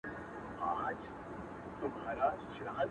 • ه ياره په ژړا نه کيږي.